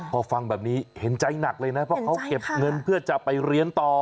พอฟังแบบนี้เห็นใจหนักเลยนะเพราะเขาเก็บเงินเพื่อจะไปเรียนต่อ